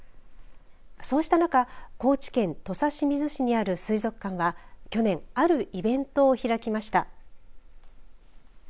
そうした中高知県土佐清水市にある水族館は去年あるイベントを開きました。